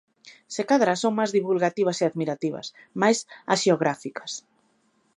Se cadra son máis divulgativas e admirativas, máis haxiográficas.